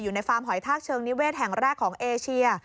ฟาร์มหอยทากเชิงนิเวศแห่งแรกของเอเชีย